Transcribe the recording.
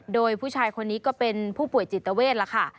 โดยผู้ชายคนนี้ก็เป็นผู้ป่วยจิตเวทล่ะค่ะ